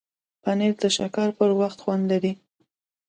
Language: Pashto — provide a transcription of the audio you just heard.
پنېر د شکر پر وخت خوند لري.